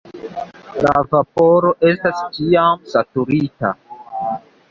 La vaporo estas tiam "saturita".